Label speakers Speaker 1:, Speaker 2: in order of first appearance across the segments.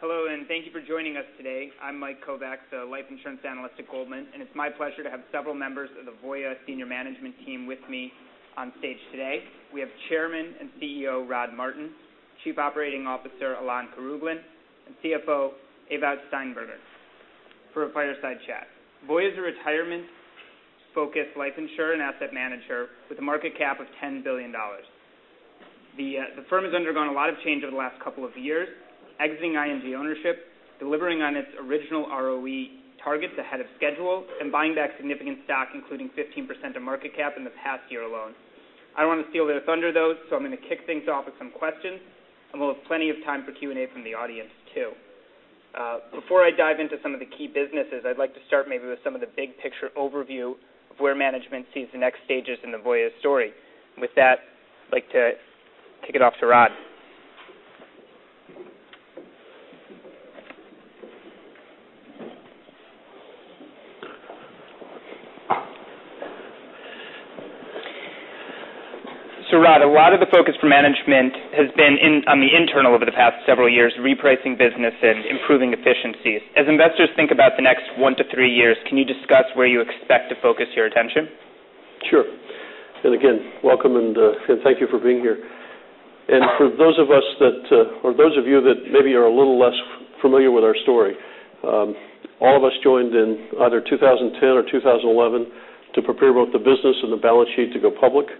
Speaker 1: Hello, and thank you for joining us today. I'm Mike Kovac, the life insurance analyst at Goldman, and it's my pleasure to have several members of the Voya senior management team with me on stage today. We have Chairman and CEO Rod Martin, Chief Operating Officer Alain Karaoglan, and CFO Ewout Steenbergen for a fireside chat. Voya is a retirement-focused life insurer and asset manager with a market cap of $10 billion. The firm has undergone a lot of change over the last couple of years, exiting ING ownership, delivering on its original ROE targets ahead of schedule, and buying back significant stock, including 15% of market cap in the past year alone. I don't want to steal their thunder, though, I'm going to kick things off with some questions, and we'll have plenty of time for Q&A from the audience, too. Before I dive into some of the key businesses, I'd like to start maybe with some of the big picture overview of where management sees the next stages in the Voya story. With that, I'd like to kick it off to Rod. Rod, a lot of the focus for management has been on the internal over the past several years, repricing business and improving efficiencies. As investors think about the next one to three years, can you discuss where you expect to focus your attention?
Speaker 2: Sure. Again, welcome and thank you for being here. For those of you that maybe are a little less familiar with our story, all of us joined in either 2010 or 2011 to prepare both the business and the balance sheet to go public.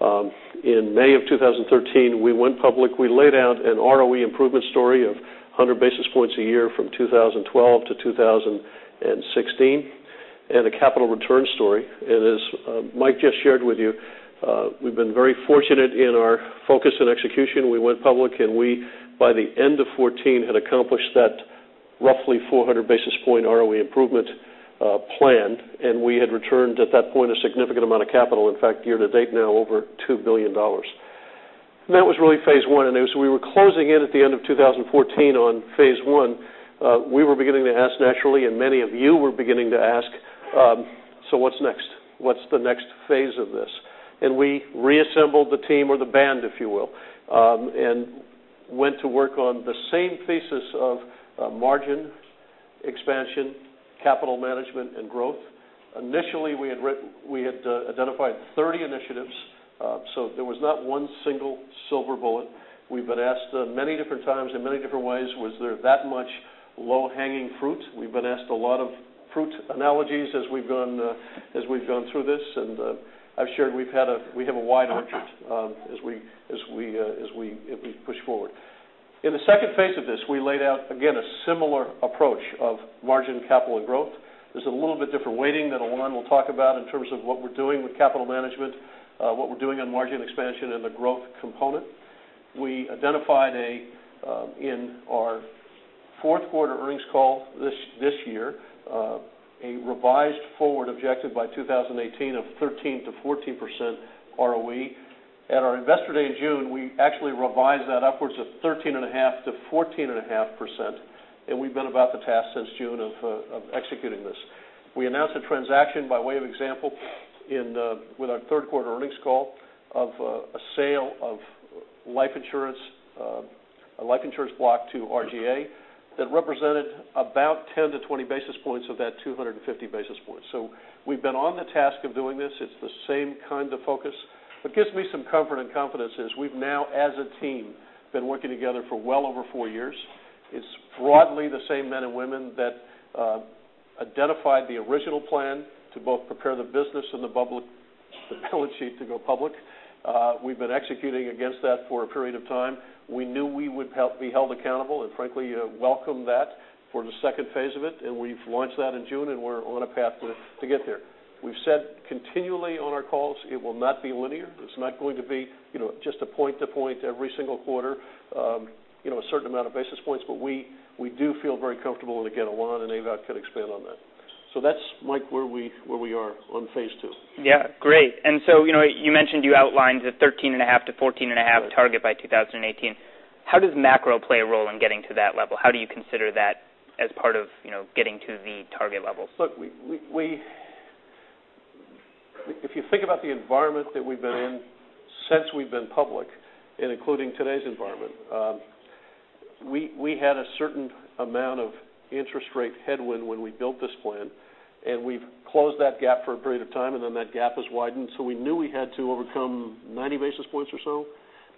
Speaker 2: In May of 2013, we went public. We laid out an ROE improvement story of 100 basis points a year from 2012 to 2016, and a capital return story. As Mike just shared with you, we've been very fortunate in our focus and execution. We went public, and we, by the end of 2014, had accomplished that roughly 400 basis point ROE improvement plan. We had returned at that point a significant amount of capital. In fact, year to date now, over $2 billion. That was really phase one. As we were closing in at the end of 2014 on phase one, we were beginning to ask naturally, and many of you were beginning to ask, what's next? What's the next phase of this? We reassembled the team or the band, if you will, and went to work on the same thesis of margin expansion, capital management, and growth. Initially, we had identified 30 initiatives, there was not one single silver bullet. We've been asked many different times in many different ways, was there that much low-hanging fruit? We've been asked a lot of fruit analogies as we've gone through this, and I've shared we have a wide orchard as we push forward. In the second phase of this, we laid out, again, a similar approach of margin, capital, and growth. There's a little bit different weighting that Alain will talk about in terms of what we're doing with capital management, what we're doing on margin expansion and the growth component. We identified in our fourth quarter earnings call this year a revised forward objective by 2018 of 13%-14% ROE. At our Investor Day in June, we actually revised that upwards of 13.5%-14.5%, and we've been about the task since June of executing this. We announced a transaction by way of example with our third quarter earnings call of a sale of a life insurance block to RGA that represented about 10-20 basis points of that 250 basis points. We've been on the task of doing this. It's the same kind of focus. What gives me some comfort and confidence is we've now as a team been working together for well over 4 years. It's broadly the same men and women that identified the original plan to both prepare the business and the balance sheet to go public. We've been executing against that for a period of time. We knew we would be held accountable, and frankly, welcome that for the second phase of it, and we've launched that in June, and we're on a path to get there. We've said continually on our calls it will not be linear. It's not going to be just a point to point every single quarter, a certain amount of basis points. We do feel very comfortable. Again, Alain and Ewout could expand on that. That's, Mike, where we are on phase two.
Speaker 1: Yeah. Great. You mentioned you outlined the 13.5%-14.5% target by 2018. How does macro play a role in getting to that level? How do you consider that as part of getting to the target levels?
Speaker 2: Look, if you think about the environment that we've been in since we've been public, and including today's environment, we had a certain amount of interest rate headwind when we built this plan, and we've closed that gap for a period of time, and then that gap has widened. We knew we had to overcome 90 basis points or so,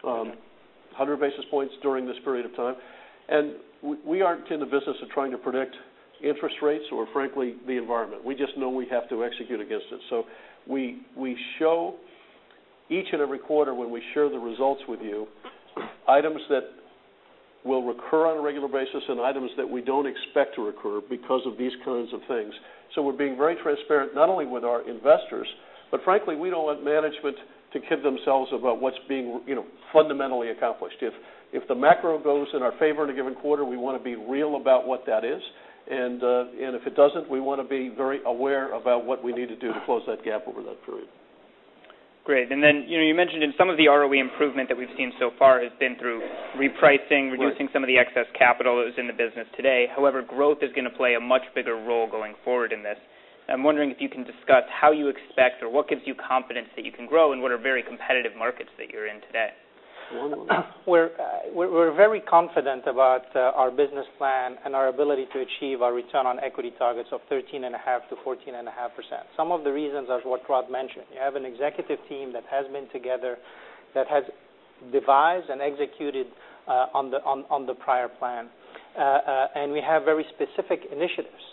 Speaker 2: 100 basis points during this period of time. We aren't in the business of trying to predict interest rates or frankly, the environment. We just know we have to execute against it. We show each and every quarter when we share the results with you, items that will recur on a regular basis and items that we don't expect to recur because of these kinds of things. We're being very transparent, not only with our investors, but frankly, we don't want management to kid themselves about what's being fundamentally accomplished. If the macro goes in our favor in a given quarter, we want to be real about what that is. If it doesn't, we want to be very aware about what we need to do to close that gap over that period.
Speaker 1: Great. You mentioned in some of the ROE improvement that we've seen so far has been through repricing-
Speaker 2: Right
Speaker 1: reducing some of the excess capital that is in the business today. However, growth is going to play a much bigger role going forward in this. I'm wondering if you can discuss how you expect or what gives you confidence that you can grow in what are very competitive markets that you're in today?
Speaker 3: We're very confident about our business plan and our ability to achieve our return on equity targets of 13.5%-14.5%. Some of the reasons are what Rod mentioned. You have an executive team that has been together, that has devised and executed on the prior plan. We have very specific initiatives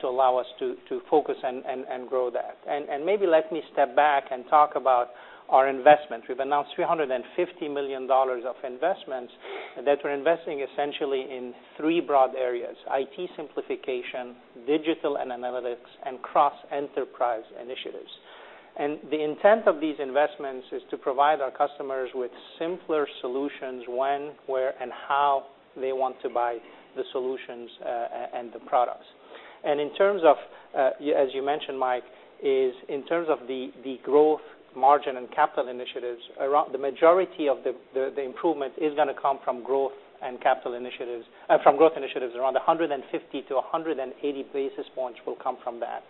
Speaker 3: to allow us to focus and grow that. Maybe let me step back and talk about our investment. We've announced $350 million of investments that we're investing essentially in three broad areas, IT simplification, digital and analytics, and cross-enterprise initiatives. The intent of these investments is to provide our customers with simpler solutions when, where, and how they want to buy the solutions and the products. As you mentioned, Mike, is in terms of the growth margin and capital initiatives, the majority of the improvement is going to come from growth initiatives. Around 150-180 basis points will come from that.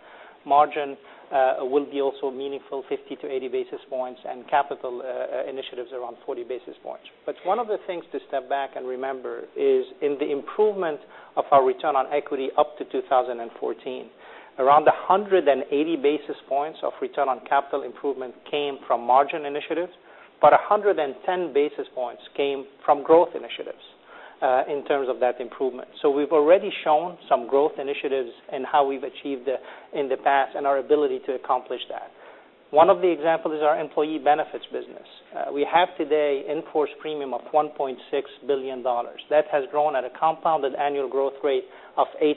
Speaker 3: Margin will be also a meaningful 50-80 basis points, and capital initiatives around 40 basis points. One of the things to step back and remember is in the improvement of our return on equity up to 2014, around 180 basis points of return on capital improvement came from margin initiatives, but 110 basis points came from growth initiatives in terms of that improvement. We've already shown some growth initiatives in how we've achieved in the past and our ability to accomplish that. One of the examples is our employee benefits business. We have today in-force premium of $1.6 billion. That has grown at a compounded annual growth rate of 8%.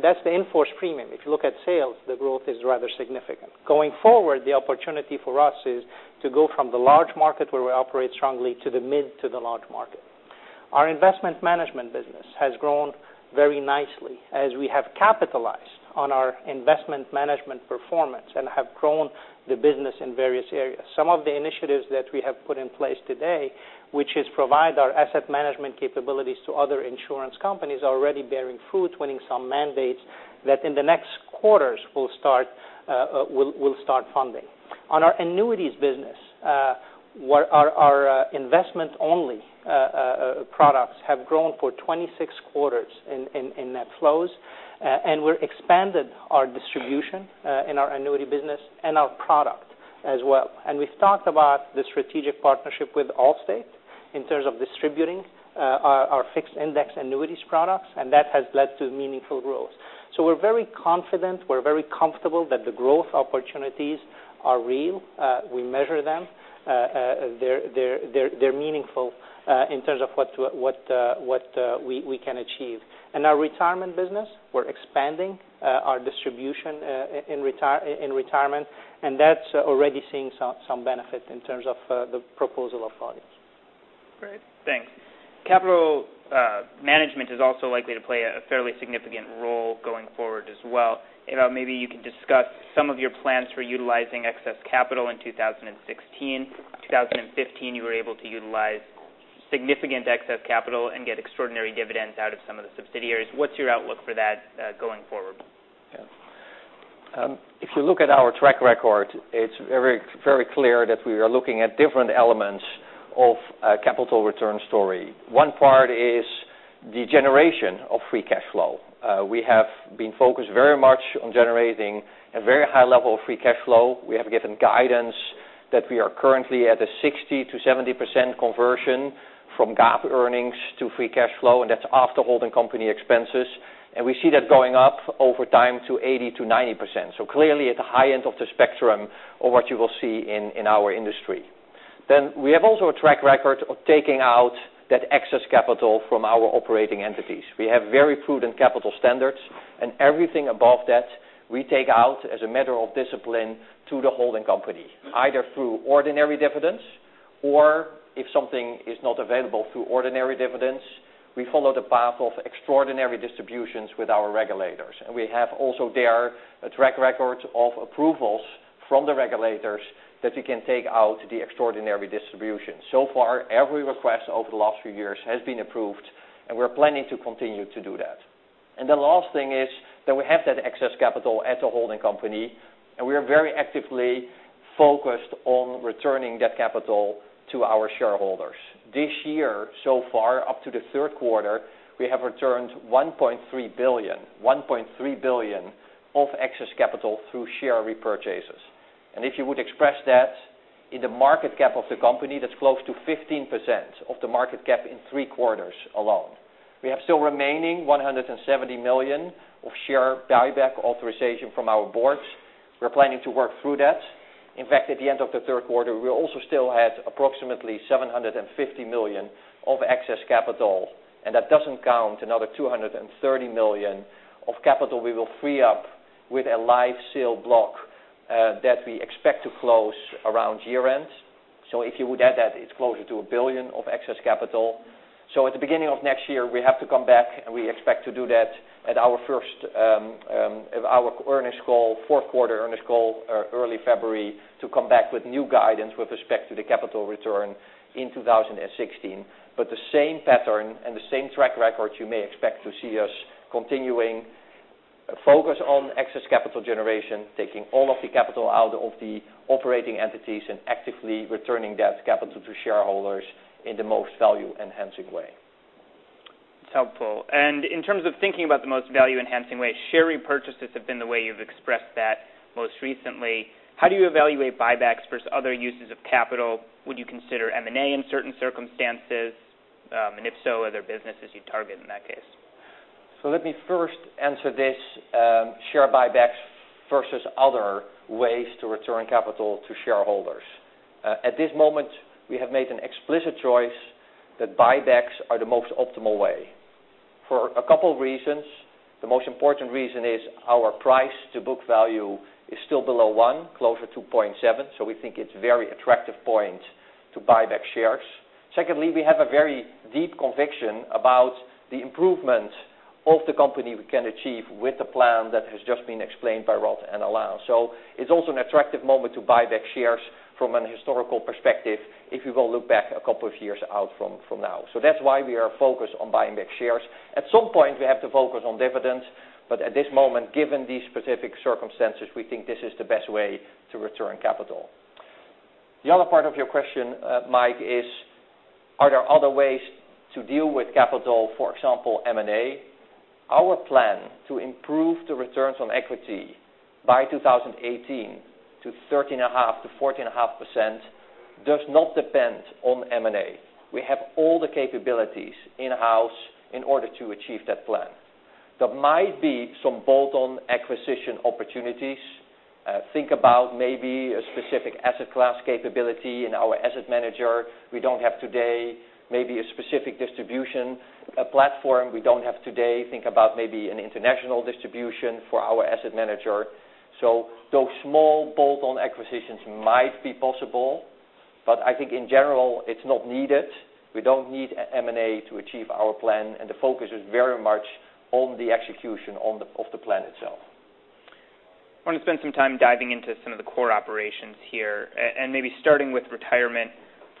Speaker 3: That's the in-force premium. If you look at sales, the growth is rather significant. Going forward, the opportunity for us is to go from the large market where we operate strongly to the mid to the large market. Our investment management business has grown very nicely as we have capitalized on our investment management performance and have grown the business in various areas. Some of the initiatives that we have put in place today, which is provide our asset management capabilities to other insurance companies, are already bearing fruit, winning some mandates that in the next quarters will start funding. On our annuities business, our investment-only products have grown for 26 quarters in net flows. We expanded our distribution in our annuity business and our product as well. We've talked about the strategic partnership with Allstate in terms of distributing our fixed index annuities products, and that has led to meaningful growth. We're very confident, we're very comfortable that the growth opportunities are real. We measure them. They're meaningful in terms of what we can achieve. In our retirement business, we're expanding our distribution in retirement, and that's already seeing some benefit in terms of the proposal of products.
Speaker 1: Great. Thanks. Capital management is also likely to play a fairly significant role going forward as well. Maybe you can discuss some of your plans for utilizing excess capital in 2016. In 2015, you were able to utilize significant excess capital and get extraordinary dividends out of some of the subsidiaries. What's your outlook for that going forward?
Speaker 4: If you look at our track record, it's very clear that we are looking at different elements of a capital return story. One part is the generation of free cash flow. We have been focused very much on generating a very high level of free cash flow. We have given guidance that we are currently at a 60%-70% conversion from GAAP earnings to free cash flow, and that's after holding company expenses. We see that going up over time to 80%-90%. Clearly at the high end of the spectrum of what you will see in our industry. We have also a track record of taking out that excess capital from our operating entities. We have very prudent capital standards, and everything above that we take out as a matter of discipline to the holding company, either through ordinary dividends or if something is not available through ordinary dividends, we follow the path of extraordinary distributions with our regulators. We have also there a track record of approvals from the regulators that we can take out the extraordinary distribution. Every request over the last few years has been approved, and we're planning to continue to do that. The last thing is that we have that excess capital at the holding company, and we are very actively focused on returning that capital to our shareholders. This year so far, up to the third quarter, we have returned $1.3 billion of excess capital through share repurchases. If you would express that in the market cap of the company, that's close to 15% of the market cap in three quarters alone. We have still remaining $170 million of share buyback authorization from our boards. We're planning to work through that. In fact, at the end of the third quarter, we also still had approximately $750 million of excess capital, and that doesn't count another $230 million of capital we will free up with a life sale block that we expect to close around year-end. If you would add that, it's closer to $1 billion of excess capital. At the beginning of next year, we have to come back, and we expect to do that at our fourth quarter earnings call, early February, to come back with new guidance with respect to the capital return in 2016. The same pattern and the same track record you may expect to see us continuing A focus on excess capital generation, taking all of the capital out of the operating entities and actively returning that capital to shareholders in the most value-enhancing way.
Speaker 1: It's helpful. In terms of thinking about the most value-enhancing way, share repurchases have been the way you've expressed that most recently. How do you evaluate buybacks versus other uses of capital? Would you consider M&A in certain circumstances? If so, are there businesses you'd target in that case?
Speaker 4: Let me first answer this share buybacks versus other ways to return capital to shareholders. At this moment, we have made an explicit choice that buybacks are the most optimal way. For a couple of reasons. The most important reason is our price to book value is still below one, closer to 0.7. We think it's very attractive point to buy back shares. Secondly, we have a very deep conviction about the improvement of the company we can achieve with the plan that has just been explained by Rod and Alain. It's also an attractive moment to buy back shares from an historical perspective if you go look back a couple of years out from now. That's why we are focused on buying back shares. At some point, we have to focus on dividends, at this moment, given these specific circumstances, we think this is the best way to return capital. The other part of your question, Mike, is are there other ways to deal with capital, for example, M&A? Our plan to improve the returns on equity by 2018 to 13.5%-14.5% does not depend on M&A. We have all the capabilities in-house in order to achieve that plan. There might be some bolt-on acquisition opportunities. Think about maybe a specific asset class capability in our asset manager we don't have today, maybe a specific distribution platform we don't have today. Think about maybe an international distribution for our asset manager. Those small bolt-on acquisitions might be possible, I think in general, it's not needed. We don't need M&A to achieve our plan, the focus is very much on the execution of the plan itself.
Speaker 1: I want to spend some time diving into some of the core operations here, maybe starting with Retirement.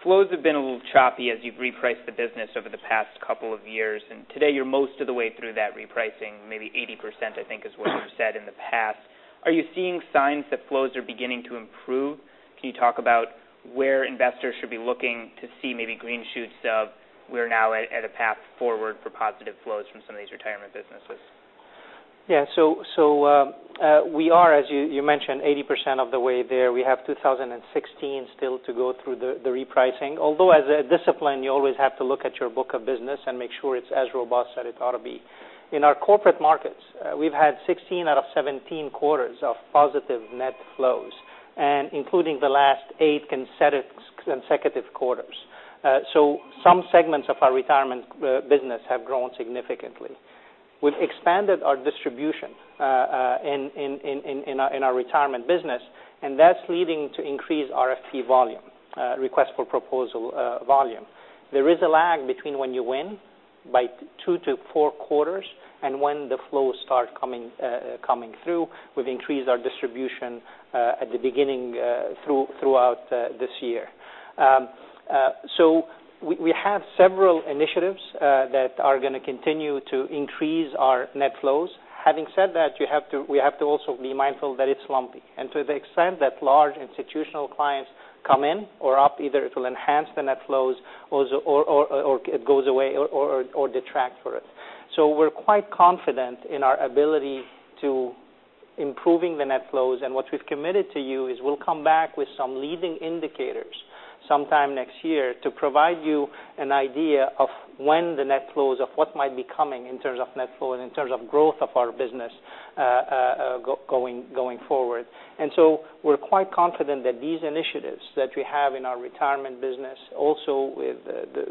Speaker 1: Flows have been a little choppy as you've repriced the business over the past couple of years, and today you're most of the way through that repricing, maybe 80%, I think is what you've said in the past. Are you seeing signs that flows are beginning to improve? Can you talk about where investors should be looking to see maybe green shoots of we're now at a path forward for positive flows from some of these Retirement businesses?
Speaker 3: Yeah. We are, as you mentioned, 80% of the way there. We have 2016 still to go through the repricing. Although as a discipline, you always have to look at your book of business and make sure it's as robust as it ought to be. In our corporate markets, we've had 16 out of 17 quarters of positive net flows, including the last eight consecutive quarters. Some segments of our Retirement business have grown significantly. We've expanded our distribution in our Retirement business, and that's leading to increased RFP volume, request for proposal volume. There is a lag between when you win by two to four quarters and when the flows start coming through. We've increased our distribution at the beginning throughout this year. We have several initiatives that are going to continue to increase our net flows. Having said that, we have to also be mindful that it's lumpy. To the extent that large institutional clients come in or up, either it will enhance the net flows or it goes away or detract for it. We're quite confident in our ability to improving the net flows, and what we've committed to you is we'll come back with some leading indicators sometime next year to provide you an idea of when the net flows of what might be coming in terms of net flow, in terms of growth of our business going forward. We're quite confident that these initiatives that we have in our Retirement business, also with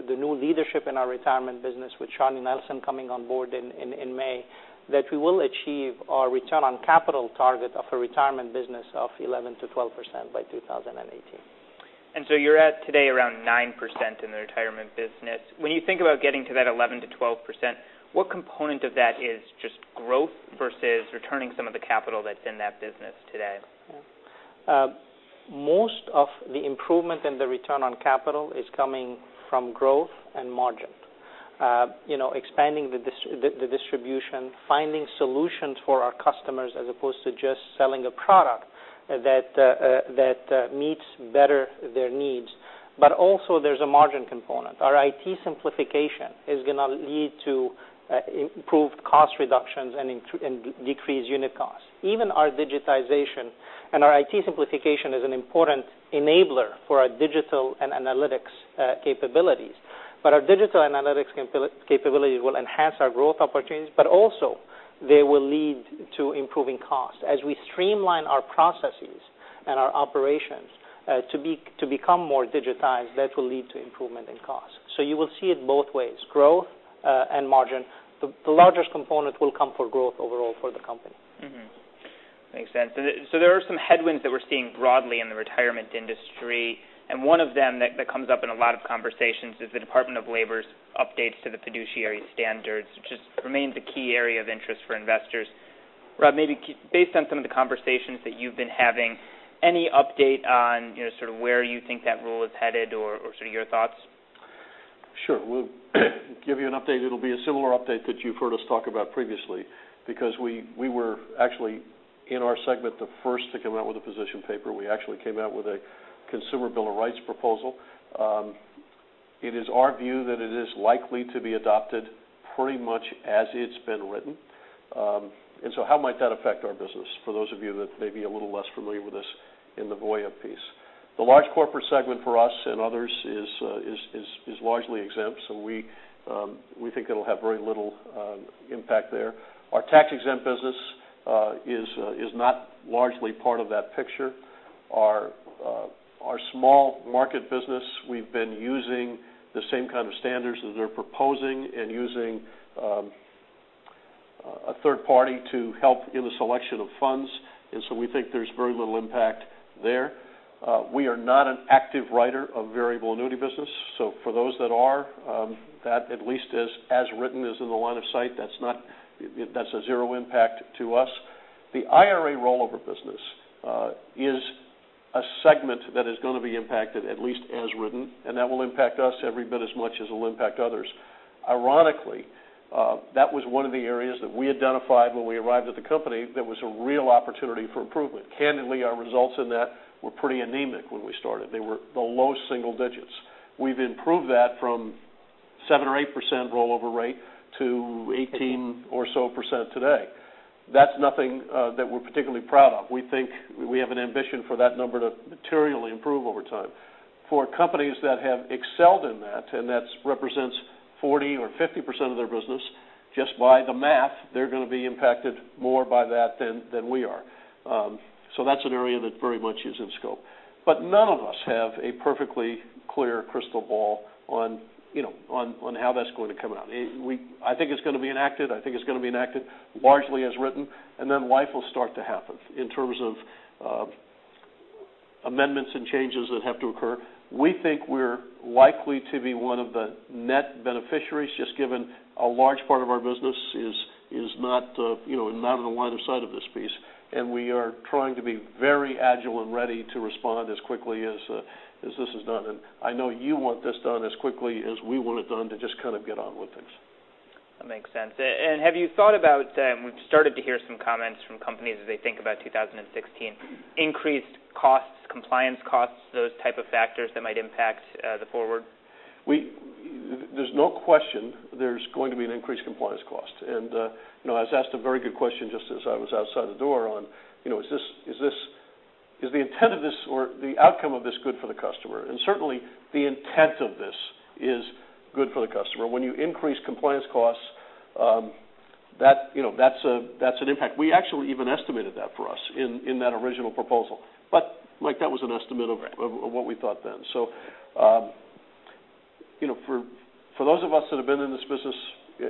Speaker 3: the new leadership in our Retirement business with Charlie Nelson coming on board in May, that we will achieve our return on capital target of a Retirement business of 11%-12% by 2018.
Speaker 1: You're at today around 9% in the Retirement business. When you think about getting to that 11%-12%, what component of that is just growth versus returning some of the capital that's in that business today?
Speaker 3: Most of the improvement in the return on capital is coming from growth and margin. Expanding the distribution, finding solutions for our customers as opposed to just selling a product that meets better their needs. Also there's a margin component. Our IT simplification is going to lead to improved cost reductions and decreased unit costs. Even our digitization and our IT simplification is an important enabler for our digital and analytics capabilities. Our digital and analytics capabilities will enhance our growth opportunities, but also they will lead to improving costs. As we streamline our processes and our operations to become more digitized, that will lead to improvement in costs. You will see it both ways, growth and margin. The largest component will come for growth overall for the company.
Speaker 1: Makes sense. There are some headwinds that we're seeing broadly in the Retirement industry, and one of them that comes up in a lot of conversations is the Department of Labor's updates to the fiduciary standards, which just remains a key area of interest for investors. Rob, maybe based on some of the conversations that you've been having, any update on sort of where you think that rule is headed or sort of your thoughts?
Speaker 2: Sure. We'll give you an update. It'll be a similar update that you've heard us talk about previously, because we were actually, in our segment, the first to come out with a position paper. We actually came out with a Consumer Bill of Rights proposal. It is our view that it is likely to be adopted pretty much as it's been written. How might that affect our business, for those of you that may be a little less familiar with this in the Voya piece. The large corporate segment for us and others is largely exempt, we think it'll have very little impact there. Our tax-exempt business is not largely part of that picture. Our small market business, we've been using the same kind of standards that they're proposing and using a third party to help in the selection of funds. We think there's very little impact there. We are not an active writer of variable annuity business. For those that are, that at least as written is in the line of sight. That's a zero impact to us. The IRA rollover business is a segment that is going to be impacted, at least as written, and that will impact us every bit as much as it'll impact others. Ironically, that was one of the areas that we identified when we arrived at the company that was a real opportunity for improvement. Candidly, our results in that were pretty anemic when we started. They were the low single digits. We've improved that from 7% or 8% rollover rate to 18% or so today. That's nothing that we're particularly proud of. We think we have an ambition for that number to materially improve over time. For companies that have excelled in that represents 40% or 50% of their business, just by the math, they're going to be impacted more by that than we are. That's an area that very much is in scope. None of us have a perfectly clear crystal ball on how that's going to come out. I think it's going to be enacted, I think it's going to be enacted largely as written, then life will start to happen in terms of amendments and changes that have to occur. We think we're likely to be one of the net beneficiaries, just given a large part of our business is not in the line of sight of this piece. We are trying to be very agile and ready to respond as quickly as this is done. I know you want this done as quickly as we want it done to just kind of get on with things.
Speaker 1: That makes sense. Have you thought about, we've started to hear some comments from companies as they think about 2016, increased costs, compliance costs, those type of factors that might impact the forward?
Speaker 2: There's no question there's going to be an increased compliance cost. I was asked a very good question just as I was outside the door on, is the intent of this or the outcome of this good for the customer? Certainly, the intent of this is good for the customer. When you increase compliance costs, that's an impact. We actually even estimated that for us in that original proposal. That was an estimate of what we thought then. For those of us that have been in this business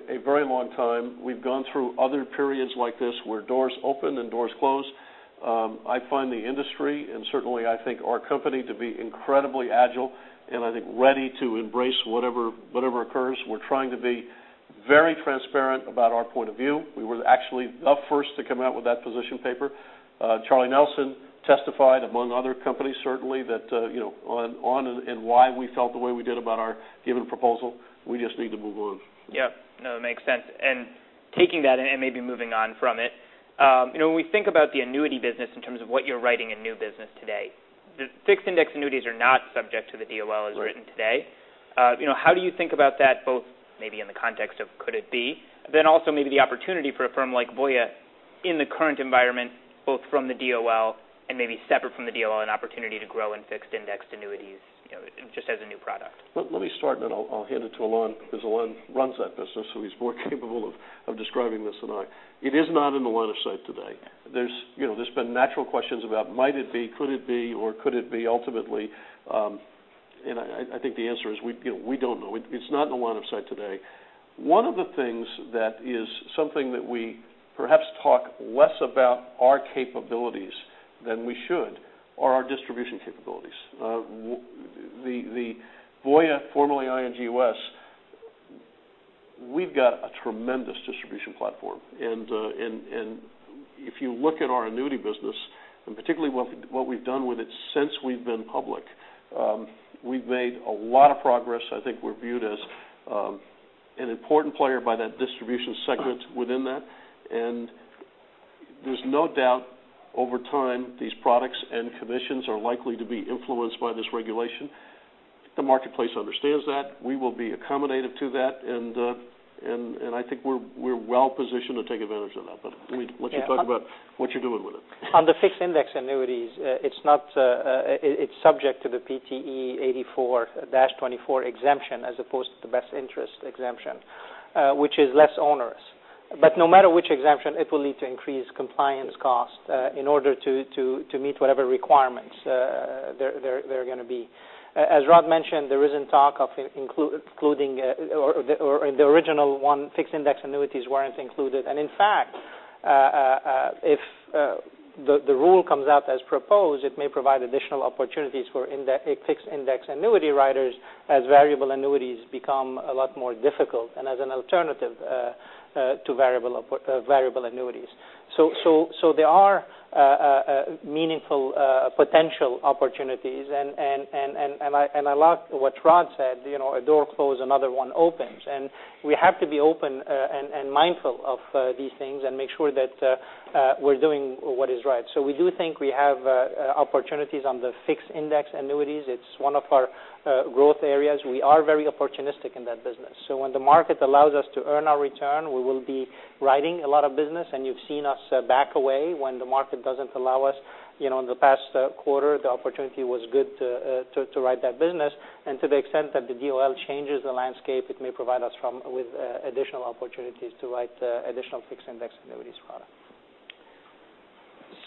Speaker 2: a very long time, we've gone through other periods like this where doors open and doors close. I find the industry, and certainly I think our company, to be incredibly agile and I think ready to embrace whatever occurs. We're trying to be very transparent about our point of view. We were actually the first to come out with that position paper. Charlie Nelson testified, among other companies, certainly, on and why we felt the way we did about our given proposal. We just need to move on.
Speaker 1: Yeah. No, that makes sense. Taking that and maybe moving on from it. When we think about the annuity business in terms of what you're writing in new business today, fixed index annuities are not subject to the DOL as written today.
Speaker 2: Right.
Speaker 1: How do you think about that both maybe in the context of could it be, then also maybe the opportunity for a firm like Voya in the current environment, both from the DOL and maybe separate from the DOL, an opportunity to grow in fixed index annuities, just as a new product?
Speaker 2: Let me start. I'll hand it to Alain, because Alain runs that business. He's more capable of describing this than I. It is not in the line of sight today. Yeah. There's been natural questions about might it be, could it be or could it be ultimately? I think the answer is we don't know. It's not in the line of sight today. One of the things that is something that we perhaps talk less about our capabilities than we should are our distribution capabilities. Voya, formerly ING U.S., we've got a tremendous distribution platform. If you look at our annuity business, and particularly what we've done with it since we've been public, we've made a lot of progress. I think we're viewed as an important player by that distribution segment within that. There's no doubt over time these products and commissions are likely to be influenced by this regulation. The marketplace understands that. We will be accommodative to that, I think we're well-positioned to take advantage of that. Let you talk about what you're doing with it.
Speaker 3: On the fixed index annuities, it's subject to the PTE 84-24 exemption as opposed to the Best Interest exemption, which is less onerous. No matter which exemption, it will need to increase compliance cost in order to meet whatever requirements there are going to be. As Rod mentioned, there is talk of including or the original one fixed index annuities weren't included. In fact, if the rule comes out as proposed, it may provide additional opportunities for fixed index annuity writers as variable annuities become a lot more difficult and as an alternative to variable annuities. There are meaningful potential opportunities. I like what Rod said, a door closed, another one opens, we have to be open and mindful of these things and make sure that we're doing what is right. We do think we have opportunities on the fixed index annuities. It's one of our growth areas. We are very opportunistic in that business. When the market allows us to earn our return, we will be writing a lot of business, you've seen us back away when the market doesn't allow us. In the past quarter, the opportunity was good to write that business, and to the extent that the DOL changes the landscape, it may provide us with additional opportunities to write additional fixed index annuities product.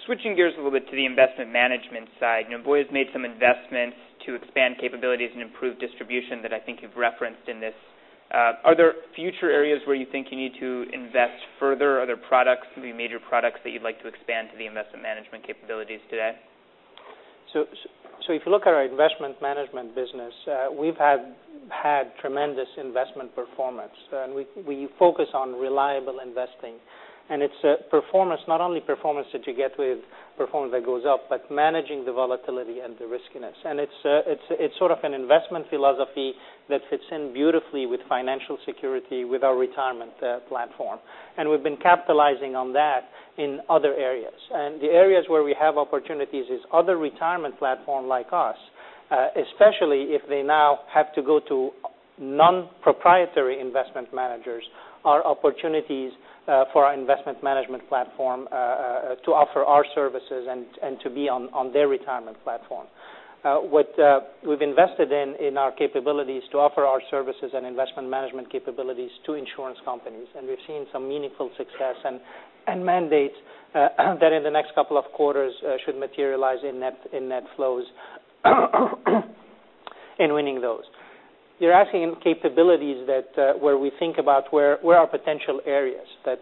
Speaker 1: Switching gears a little bit to the investment management side. Voya's made some investments to expand capabilities and improve distribution that I think you've referenced in this. Are there future areas where you think you need to invest further? Are there products, maybe major products, that you'd like to expand to the investment management capabilities today?
Speaker 3: If you look at our investment management business, we've had tremendous investment performance, and we focus on reliable investing. It's not only performance that you get with performance that goes up, but managing the volatility and the riskiness. It's sort of an investment philosophy that fits in beautifully with financial security, with our retirement platform. We've been capitalizing on that in other areas. The areas where we have opportunities is other retirement platform like us, especially if they now have to go to non-proprietary investment managers, are opportunities for our investment management platform to offer our services and to be on their retirement platform. What we've invested in our capabilities to offer our services and investment management capabilities to insurance companies, and we've seen some meaningful success and mandates that in the next couple of quarters, should materialize in net flows in winning those. You're asking in capabilities where we think about where are potential areas that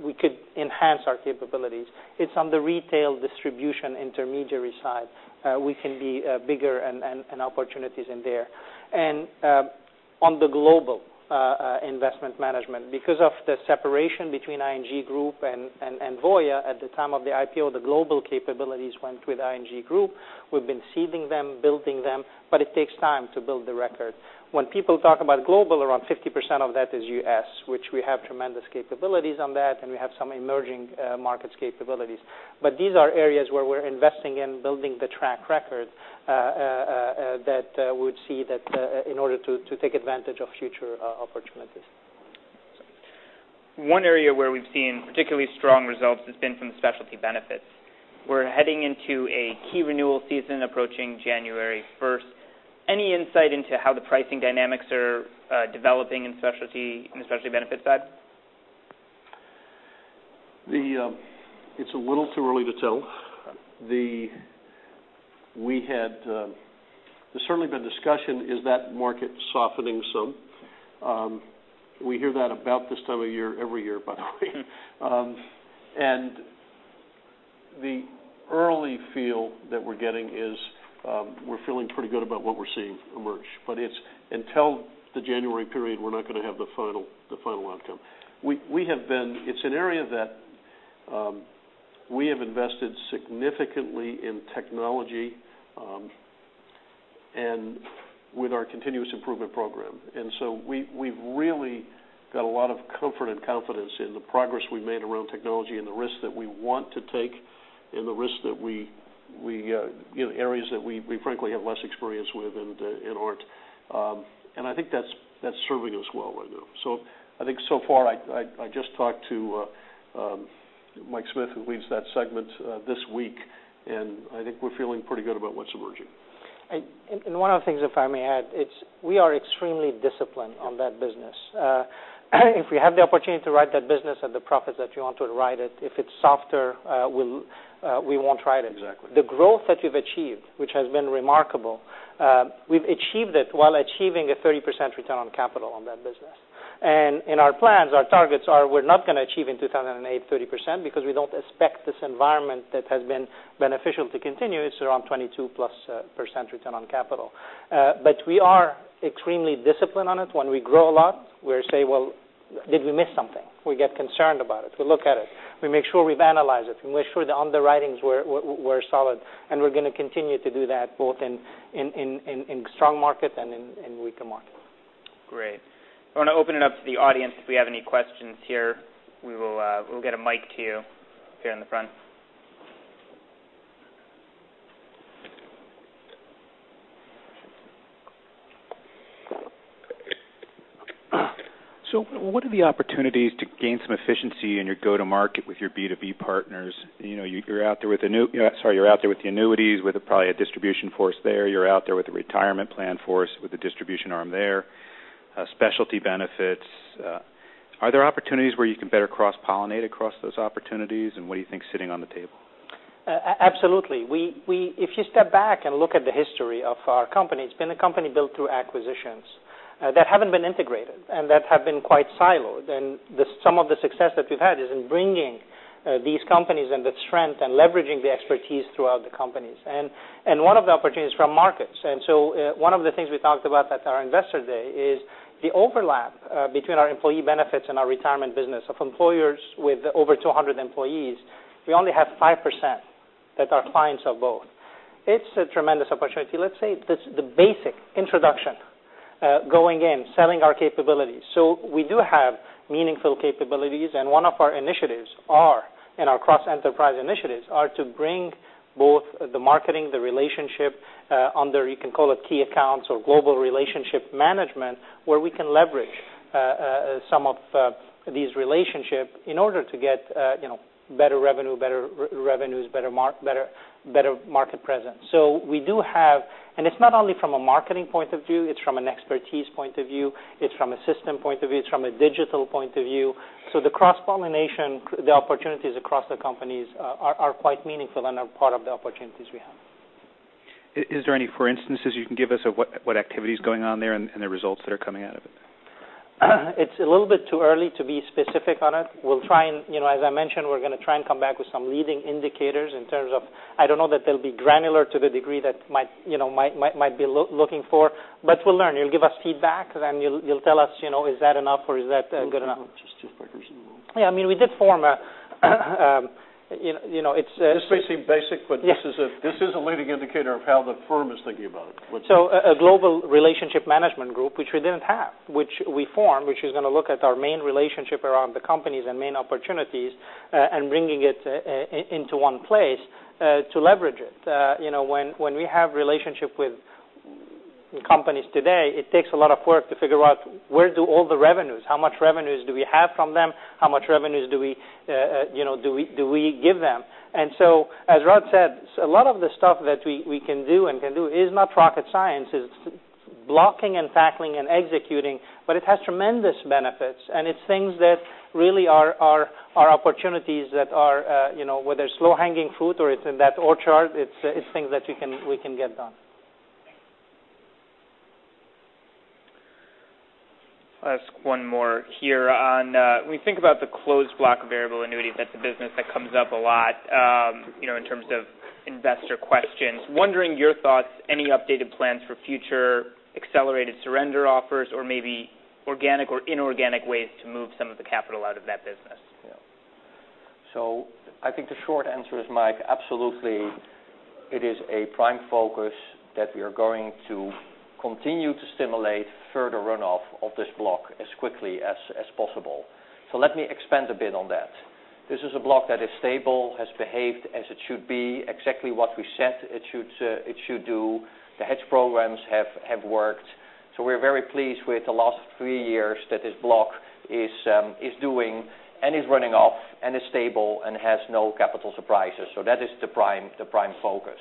Speaker 3: we could enhance our capabilities. It's on the retail distribution intermediary side. We can be bigger and opportunities in there. On the global investment management, because of the separation between ING Group and Voya at the time of the IPO, the global capabilities went with ING Group. We've been seeding them, building them, but it takes time to build the record. When people talk about global, around 50% of that is U.S., which we have tremendous capabilities on that, and we have some emerging markets capabilities. These are areas where we're investing in building the track record that we'd see that in order to take advantage of future opportunities.
Speaker 1: One area where we've seen particularly strong results has been from specialty benefits. We're heading into a key renewal season approaching January 1st. Any insight into how the pricing dynamics are developing in the specialty benefits side?
Speaker 2: It's a little too early to tell. There's certainly been discussion, is that market softening some? We hear that about this time of year every year, by the way. The early feel that we're getting is, we're feeling pretty good about what we're seeing emerge. Until the January period, we're not going to have the final outcome. It's an area that we have invested significantly in technology, and with our continuous improvement program. We've really got a lot of comfort and confidence in the progress we've made around technology and the risks that we want to take and the areas that we frankly have less experience with and aren't. I think that's serving us well right now. I think so far, I just talked to Mike Smith, who leads that segment this week, and I think we're feeling pretty good about what's emerging.
Speaker 3: One of the things, if I may add, it's we are extremely disciplined on that business. If we have the opportunity to write that business at the profits that you want to write it, if it's softer, we won't write it.
Speaker 2: Exactly.
Speaker 3: The growth that we've achieved, which has been remarkable, we've achieved it while achieving a 30% return on capital on that business. In our plans, our targets are we're not going to achieve in 2018, 30%, because we don't expect this environment that has been beneficial to continue. It's around 22% plus return on capital. We are extremely disciplined on it. When we grow a lot, we say, "Well, did we miss something?" We get concerned about it. We look at it. We make sure we analyze it, and we make sure the underwritings were solid. We're going to continue to do that both in strong market and in weaker market.
Speaker 1: Great. I want to open it up to the audience if we have any questions here. We'll get a mic to you here in the front.
Speaker 5: What are the opportunities to gain some efficiency in your go-to market with your B2B partners? You're out there with the annuities, with probably a distribution force there. You're out there with the retirement plan force, with the distribution arm there, specialty benefits. Are there opportunities where you can better cross-pollinate across those opportunities, and what do you think is sitting on the table?
Speaker 3: Absolutely. If you step back and look at the history of our company, it's been a company built through acquisitions that haven't been integrated and that have been quite siloed. Some of the success that we've had is in bringing these companies and the strength and leveraging the expertise throughout the companies. One of the things we talked about at our Investor Day is the overlap between our Employee Benefits and our Retirement Business of employers with over 200 employees. We only have 5% that are clients of both. It's a tremendous opportunity, let's say the basic introduction, going in, selling our capabilities. We do have meaningful capabilities, and one of our cross-enterprise initiatives are to bring both the marketing, the relationship under, you can call it key accounts or global relationship management, where we can leverage some of these relationships in order to get better revenues, better market presence. It's not only from a marketing point of view, it's from an expertise point of view, it's from a system point of view, it's from a digital point of view. The cross-pollination, the opportunities across the companies are quite meaningful and are part of the opportunities we have.
Speaker 5: Is there any, for instance, you can give us of what activity is going on there and the results that are coming out of it?
Speaker 3: It's a little bit too early to be specific on it. As I mentioned, we're going to try and come back with some leading indicators in terms of, I don't know that they'll be granular to the degree that Mike be looking for. We'll learn. You'll give us feedback, you'll tell us, is that enough or is that good enough?
Speaker 4: Just two percentage points.
Speaker 3: Yeah, we did form it's a-
Speaker 4: This may seem basic.
Speaker 3: Yeah
Speaker 4: This is a leading indicator of how the firm is thinking about it.
Speaker 3: A global relationship management group, which we didn't have, which we formed, which is going to look at our main relationship around the companies and main opportunities, and bringing it into one place to leverage it. When we have relationship with companies today, it takes a lot of work to figure out where do all the revenues, how much revenues do we have from them, how much revenues do we give them? As Rod said, a lot of the stuff that we can do and can do is not rocket science. It's blocking and tackling and executing, but it has tremendous benefits, and it's things that really are opportunities that are whether it's low-hanging fruit or it's in that orchard, it's things that we can get done.
Speaker 5: Thanks.
Speaker 1: I'll ask one more here on when you think about the closed block variable annuities, that's a business that comes up a lot, in terms of investor questions. Wondering your thoughts, any updated plans for future accelerated surrender offers or maybe organic or inorganic ways to move some of the capital out of that business?
Speaker 4: Yeah. I think the short answer is, Mike, absolutely it is a prime focus that we are going to continue to stimulate further runoff of this block as quickly as possible. Let me expand a bit on that. This is a block that is stable, has behaved as it should be, exactly what we said it should do. The hedge programs have worked. We're very pleased with the last three years that this block is doing and is running off and is stable and has no capital surprises. That is the prime focus.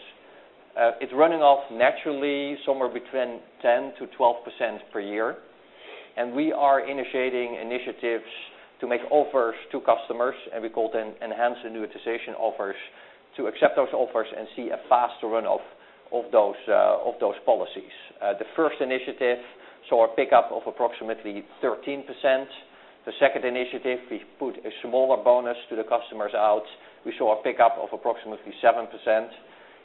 Speaker 4: It's running off naturally somewhere between 10%-12% per year. We are initiating initiatives to make offers to customers, and we call them enhanced annuitization offers to accept those offers and see a faster runoff of those policies. The first initiative saw a pickup of approximately 13%. The second initiative, we put a smaller bonus to the customers out. We saw a pickup of approximately 7%.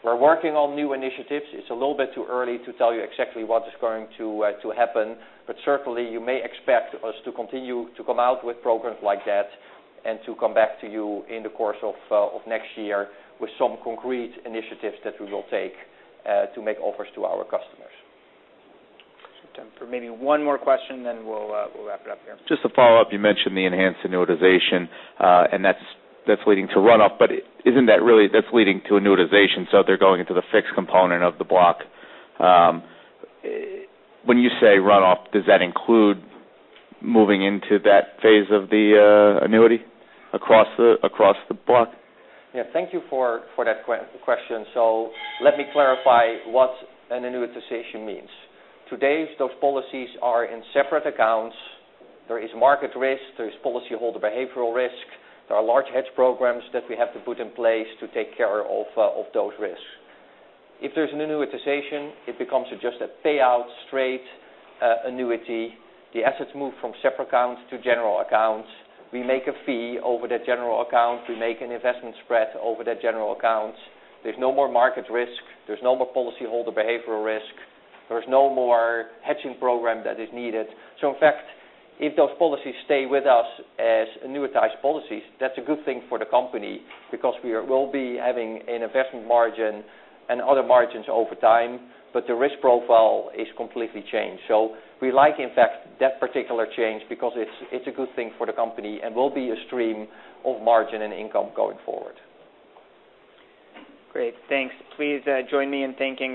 Speaker 4: We're working on new initiatives. It's a little bit too early to tell you exactly what is going to happen. Certainly, you may expect us to continue to come out with programs like that and to come back to you in the course of next year with some concrete initiatives that we will take to make offers to our customers.
Speaker 1: Time for maybe one more question, then we'll wrap it up here.
Speaker 5: Just to follow up, you mentioned the enhanced annuitization, and that's leading to runoff. Isn't that really that's leading to annuitization, so they're going into the fixed component of the block. When you say runoff, does that include moving into that phase of the annuity across the block?
Speaker 4: Yeah. Thank you for that question. Let me clarify what an annuitization means. Today, those policies are in separate accounts. There is market risk, there is policyholder behavioral risk. There are large hedge programs that we have to put in place to take care of those risks. If there's an annuitization, it becomes just a payout straight annuity. The assets move from separate accounts to general accounts. We make a fee over that general account. We make an investment spread over that general account. There's no more market risk. There's no more policyholder behavioral risk. There's no more hedging program that is needed. In fact, if those policies stay with us as annuitized policies, that's a good thing for the company because we will be having an investment margin and other margins over time, but the risk profile is completely changed. We like, in fact, that particular change because it's a good thing for the company and will be a stream of margin and income going forward.
Speaker 1: Great. Thanks. Please join me in thanking